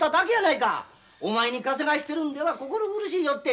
お前に稼がしてるんでは心苦しいよって。